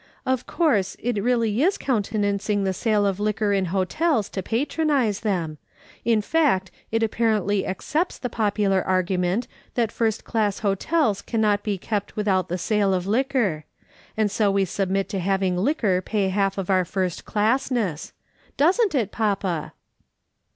Of course, it really is countenancing the sale of liquor in hotels "PRINCIPLES IS INCONVENIENT THINGS." 247 to patrcttiise them ; in fact, it apparently accepts the popular argument that first class hotels cannot he kept without the sale of liquor. And so we submit to having liquor pay half of our first classness. Doesn't it, papa